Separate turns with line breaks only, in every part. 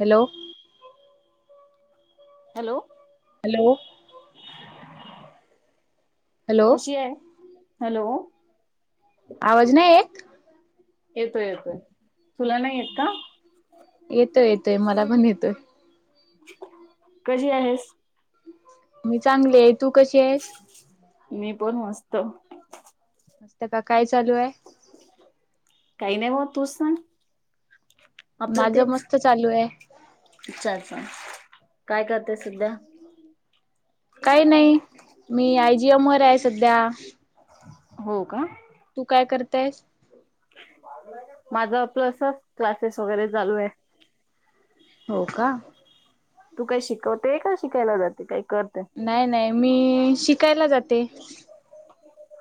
Hello
hello
hello hello
कशी आहे [inaudible] hello
आवाज नाही येत
येतोय -येतोय तुला नाही येत का?
येतोय- येतोय मला पण येतोय
[inaudible] कशी आहेस
मी चांगले आहे तू कशी आहेस?
मी पण मस्त [inaudible]
मस्त का काय चालू आहे [inaudible]
काही नाही मग तूच सांग आपलं
माझं
तेच
मस्त चालू आहे
अच्छा अच्छा काय करते सध्या
काही नाही मी आयजीएम वर आहे सध्या
हो का
तेच
माझा आपलसच क्लासेस वगैरे चालू आहे.
हो का?
तू काय शिकवते का शिकायला जाते. काय
नाही नाही मी शिकायला जाते.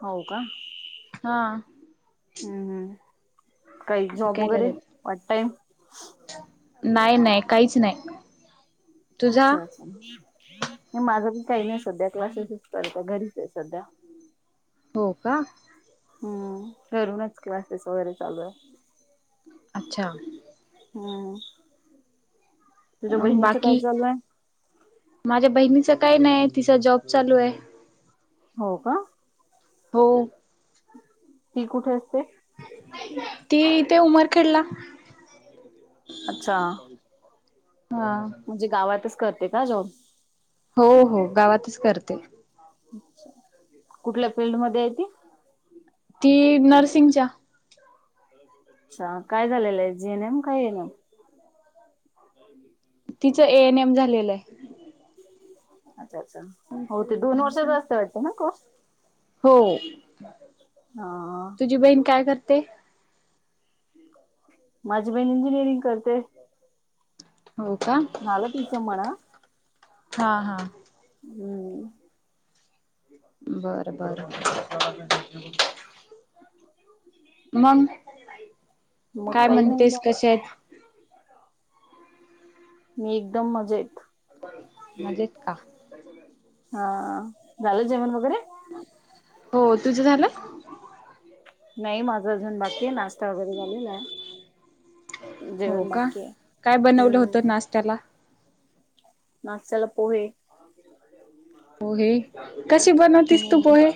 हो का.
हा.
हम्म हम्म. काही जॉब
शिकायला
वगैरे,
जाते
पार्ट टाइम.
नाही नाही काहीच नाही. तुझा
अच्छा अच्छा. माझं की काही नाही सध्या क्लासेसच करत घरीच आहे सध्या.
हो का?
हम्म ठरूनच क्लासेस वगैरे चालू हाय.
अच्छा.
हम.
मग बाकी,
आहे?
माझ्या बहिणी तिच काही नाही तिचा जॉब चालू आहे.
हो का?
हो
ती कुठे असते.
ती इथे उमरखेडला
अच्छा.
हा
म्हणजे गावातच करते का जॉब?
हो हो गावातच करते.
कुठल्या फिल्ड मध्ये आहे ती?
ती नर्सिंगच्या.
अच्छा काय झालेलं आहे जीनम का येनम?
तिचं ए एन एम झालेलं आहे.
हो ते दोन वर्ष जास्त वाटत ना कोर्स.
हो,
हा
तुझी बहीण काय करते?
माझी बहिण इंजिनिअरिंग करते.
हो का
[unintelligible]
हा हा.
हम.
बर बर. मग
मग
काय
काही नाही बा
म्हणतेस कशेत आहेत?
मी एकदम मजेत.
मजेत का?
हा, झालं जेवन वैगरे?
हो, तुझं झालं?
नाही माझा अजून बाकी आहे नाश्ता वगैरे झालेला आहे.
हो
जेवण
का?
बाकी आहे.
काय बनवलं
हम्म
होतं नाश्त्याला?
नाश्त्याला पोहे.
पोहे. बनवतेस तू
हम्म
पोहे.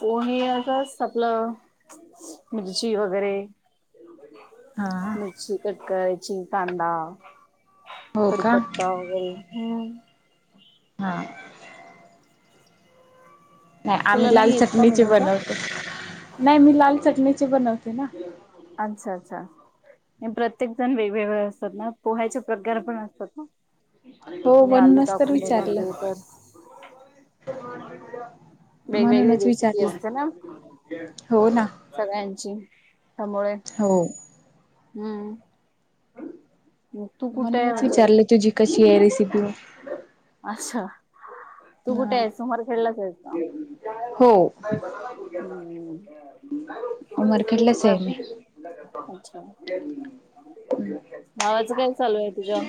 पोहे असंच आपलं मिरची वगैरे.
हा
मिरची कट करायची कांदा.
हो का
कडीपत्ता वगैरे हम.
हा. नाही आम्ही
तुला
लाल
नाही येत का
चटणीचे
बनवता
बनवते, नाही मी लाल चटणीचे बनवते ना.
अच्छा अच्छा प्रत्येक जण वेगवेगळ, ात ना पोहायचे प्रकार पण असतात ना.
हो
कुणी
बन
आलू
नस तर
टाकून
विचारलं.
बनवते तर वेगवेगळी
म्हणूनच
रेसिपी
विचारलं
असते ना.
हो ना
सगळ्यांची त्यामुळे
हो
हम्म. तू कुठे आहे
म्हणूनच
म्हणजे
विचारले तुझी कशी आहे रेसिपी.
अच्छा तू कुठे
ह
आहे सुमार खेळलाच आहे.
होमरकेटलाच
तुझ्या
आहे मी..
अच्छा! भावाचं काय चालू आहे तुझ्या?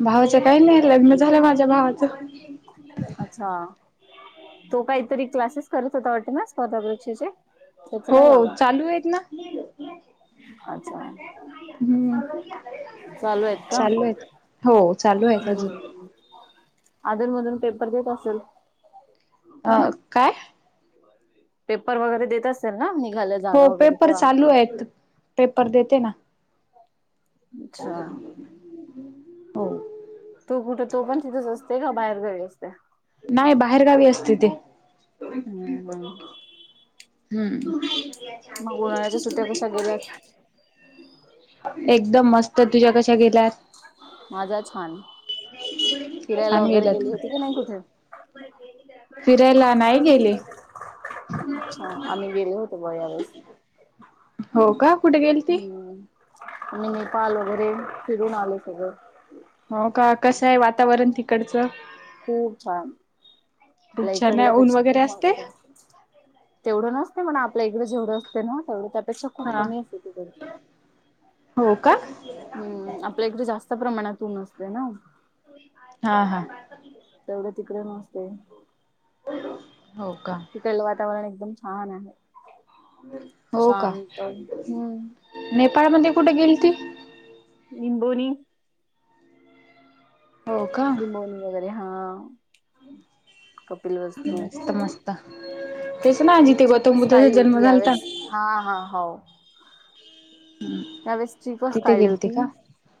भावाचं काही नाही लग्न झालं माझ्या भावाचं.
अच्छा तो काहीतरी क्लासेस करत होता वाटते ना? स्पर्धा परीक्षेचे त्याच
हो
काय झालं
चालू आहेत ना
अच्छा
हम्म.
चालू आहेत का
चालू आहेत हो चालू आहेत अजून
हम्. अधून मधून पेपर देत असेल?
अ काय?
पेपर वगैरे देत असेल ना मी?
हो पेपर चालू आहेत, पेपर देते ना.
अच्छा
हो.
तू कुठे तो पण तिथेच असते का बाहेर गावी असते
[unintelligible] नाही बाहेरगावी असते ते.
हम्म हम्म
हम्म.
मग उन्हाळ्याच्या सुट्ट्या कशा गेल्यात
[inaudible] एकदम मस्त तुझ्या कशा गेल्यात.
माझा छान फिरायला
छान
वगैरे
गेल्यात
गेली होती
का
की नाही कुठे?
फिरायला नाही गेले.
अच्छा आम्ही गेल होतो यावेळेस
हो का कुठे गेल ती?
आणि नेपाल वगैरे फिरून आले सगळं.
हो का कसं आहे वातावरण तिकडचं?
खूप छान
खूप
आपल्या
छान आहे ऊन
इकडल्यापेक्षा
वगैरे
खूप
असते?
वागते. तेवढं नसते मण आपल्या इकडें जेवढं असते ना तेवढं. पेक्षा खूप
हा
कमी असते तिकडे.
हो का
हम्म आपल्या इकडे जास्त प्रमाणात ऊन असते ना.
हा हा.
तेवढ तिकडे नसते.
हो का.
तिकलं वातावरण एकदम छान आहे.
हो का
शांत हम्म
नेपाळमध्ये कुठे गेलीती
निंबोनी.
हो का
लबोनी वगैरे. हा कपिल वस्तू
मस्त मस्त. तेच ना
मी
जिथे गौतम
ट्रिपच
बुद्धाचा
काढली
जन्म
होती
झालता
यावेळेस हा हा हो. त्यावेस्ट्रीपच
तिथे
काढली
गेलती का?
होती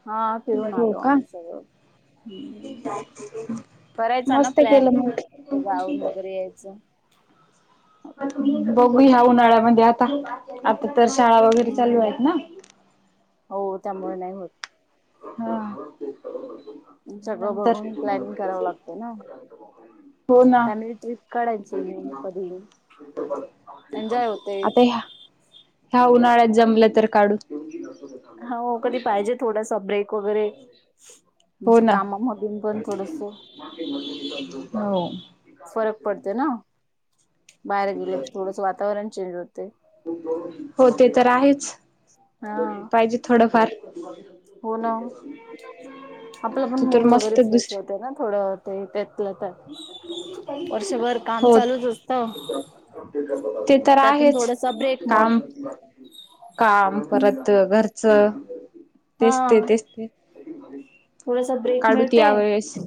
हा फिरून
हो
आलो
का
आम्ही सगळ.
[inaudible]
करायचा ना
मस्त
प्लॅन.
केलं
जाऊन
मग
वगैरे यायचं
बघू ह्या उन्हाळ्यामध्ये आता आता. तर शाळा वगैरे
हम्म
चालू आहेत ना
हो त्यामुळे नाही होत
हा
सगळं
नंतर
बघून प्लॅनिंग करावं लागत ना.
हो ना
फॅमिली ट्रिप काढायची कधी. एन्जॉय होते.
आता ह्या ह्या उन्हाळ्यात जमलं तर काढू.
हो कधी पाहिजे थोडासा ब्रेक वगैरे
हो
म्हणजे
ना
कामामधून पण थोडंसं
हो.
फरक पडते ना. बाहेर गेलो तर थोडस वातावरण चेंज होते.
हो ते तर आहेच.
हा
पाहिजे थोडंफार.
आपलं पण
तू तर
मूड वगैरे
मस्त
फ्रेश होत
दुसरी
ना थोडं ते त्यातल्या त्यात. वर्षभर काम
हो
चालूच असत.
ते तर आहेच
मग
काम काम परत घर च तेच
हा
ते तेच ते.
ते ब्रेक
काढू त
मिळते.
यावेेळेस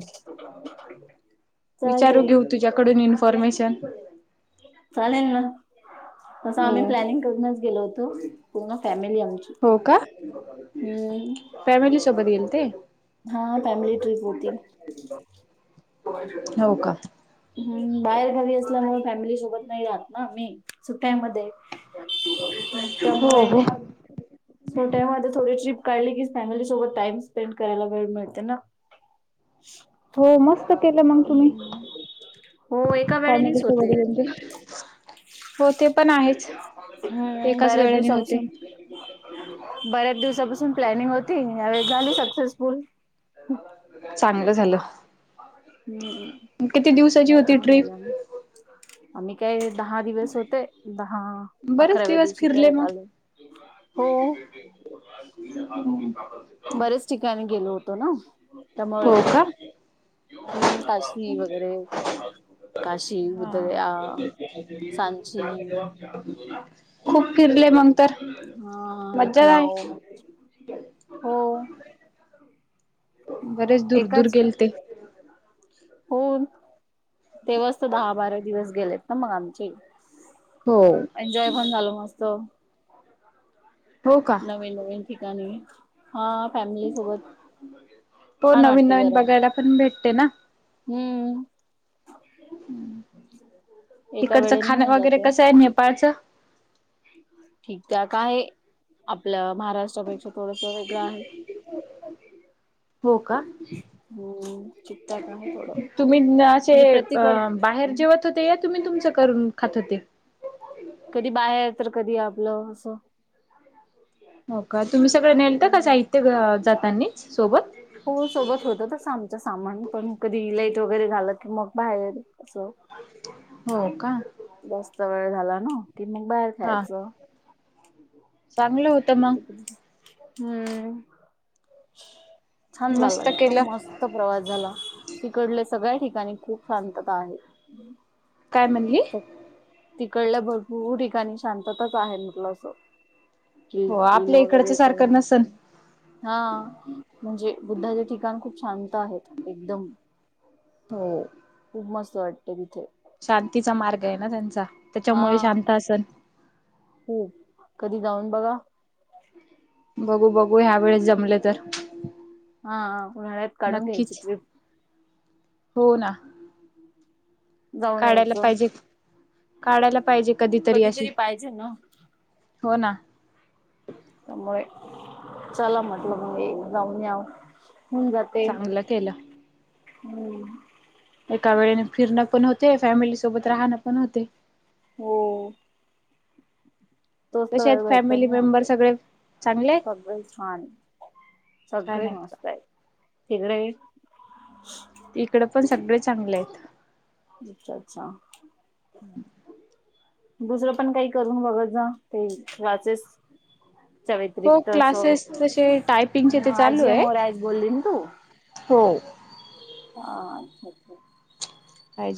विचारू
चालते
घेऊ तुझ्याकडून इन्फॉर्मेशन,
चालेन ना. तसं
हो
आम्ही प्लॅनिंग करूनच गेलो होतो पूर्ण फॅमिली आमची.
हो का
हम्म.
फॅमिली सोबत गेल ते
हा फॅमिली ट्रिप होती
हो का
हम्म बाहेर घरी असल्यामुळे फॅमिली सोबत नाही राहत ना मी काय ते मग
हो हो
त्यामुळे सुट्ट्या मध्ये थोडीशी काळली की फॅमिली सोबत टाईम स्पेंड करायला वेळ मिळते ना.
हो मस्त केलं मग तुम्ही?
हो एका
फॅमिली
वेळेनेच होते
सोबत एन्जॉय हो ते पण आहेच.
हम्म
एकाच
बऱ्याच
वेळाने
दिवसापासून
होते
बऱ्याच दिवसापासून प्लॅनिंग होती. यावेळेस झाली सक्सेसफुल
चांगलं झालं
हम्म
किती दिवसाची
मग
होती
जाऊन
ट्रीप?
आल्या आम्ही आम्ही काय दहा दिवस होते दहा
बरेच
अकराव्या
दिवस
दिवशी
फिरले
परत
मग
आलो. हो. बरेच ठिकाणी गेलो होतो ना त्यामुळे.
हो का
हम्म काशी वगैरे काशी,
हा
उदरया, सांची,
खूप फिरले मग तर
हा
मजा आहे.
लखनऊ हो
बरेच दूर दूर
एकाच
गेल ते.
हो तेव्हास तर दहा, बारा दिवस गेलेत ना मग आमचे.
हो
एन्जॉय पण झालो मस्त.
हो का
नवीन, नवीन ठिकाणी. हा फॅमिली सोबत छान वाटते जरा.
ते ना.
हम्म. एका
तिकडचं
वेळेने
खाण
होऊन
वगैरे
जाते
कसं आहे नेपाळचं?
ठीक त्या काय आपलं महाराष्ट्रापेक्षा थोडस वेगळं आहे. [inaudible]
हो का?
हम्म चिकट आहे थोडं.
तुम्ही असे
म्हणजे
अ
प्रत्येक
बाहेर जेवत होते या तुम्ही तुमचं करून खात होते?
कधी बाहेर तर कधी आपलं असं.
हो का तुम्ही सगळं नेलत का
हम्म.
साहित्य जातानी सोबत?
हो सोबत होत तस आमचं सामान पण कधी लेट वगैरे झाालं की मग बाहेर. अस
हो का
जास्त वेळ झाला ना. ति मग बाहेर
हा
खायच
चांगलं होत.
हम्म छान झाला
मस्त
एकदम
केलं
मस्त प्रवास झाला तिकडलं सगळ्या ठिकाणी खूप शांतता आहे.
काय म्हणली?
तिकडल्या भरपूर ठिकाणी शांतताच आहे म्हटलं अस.
हो आपल्या इकडच सारखं नसल?
हा म्हणजे बुद्धाचे ठिकाण खूप शांत आहेत एकदम.
हो
खूप मस्त वाटते तिथे.
शांतीचा मार्ग आहे ना त्यांचा त्याच्यामुळे शांत असल.
हो कधी जाऊन बघा.
बघू बघू ह्या वेळेस जमले तर
हा उन्हाळ्यात काढून घ्यायची
नक्कीच
ट्रीप
हो ना
जाऊन
काढायला
यायचं
पाहिजे काढायला पाहिजे.
कधीतरी पाहिजे ना.
हो ना
मुळे चला म्हटल मुळे जाऊ यावं.
चांगलं केलं.
हम्म
एका वेळेने फिरणं पण होते फॅमिली सोबत राहणं पण होते.
हो तोच तर
कसे आहेत
वेळ
फॅमिली
भेटतो
मेंबर
आपल्याला
सगळे चांगले आहेत
सर्व छान
छान
सगळे
आहेत का
मस्त आहे तिकडे?
इकड पण सगळे चांगले आहेत.
अच्छा अच्छा
[unintelligible]
दुसरं पण काही करून बघत जा क्लासेस
हो
याव्यतिरिक्त असं
क्लासेस तसे टायपिंगचे ते चालू
आजी
आहे
म राज बोलली ना तू
हो
हा अच्छा अच्छा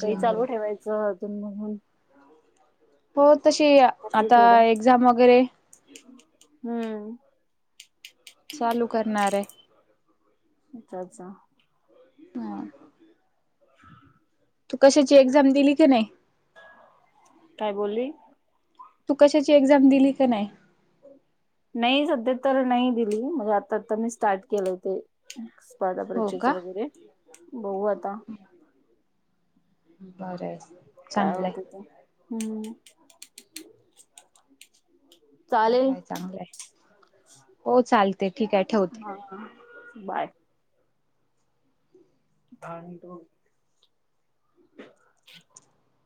काही
वर
चालू ठेवायचं अधून मधून?
हो तशी आता
थोडं
एक्झाम वगैरे.
हो
चालू करणार आहे.
अच्छा अच्छा
ह तू कशाची एक्झाम दिली की नाही?
काय बोलली
तू कशाची एक्झाम दिली का नाही?
नाही सध्या तर नाही दिली म्हणजे आता आता मी स्टार्ट केलं ते. आता
हो
परीक्षेच
का
वगैरे बघू आता.
बरंच
कात हम्म [inaudible] चालेल
चांगलायं चांगलंय हो चालते. ठीक आहे ठेवते.
हा बाय धान त [inaudible] [unintelligible]